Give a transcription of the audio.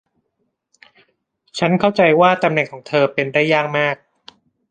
ฉันเข้าใจว่าตำแหน่งของเธอเป็นได้ยากมาก